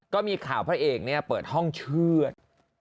ก็มีข่าวพระเอกเนี่ยเปิดห้องเชือด